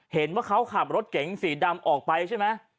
เห็นว่าเขาขับรถเก๋งสีดำออกไปใช่ไหม